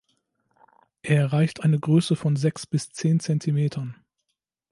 Er erreicht eine Größe von sechs bis zehn Zentimetern.